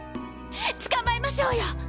捕まえましょうよ！